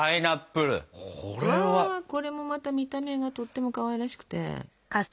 うわこれもまた見た目がとってもかわいらしくて。